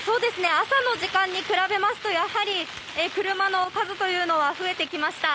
朝の時間に比べますとやはり車の数は増えてきました。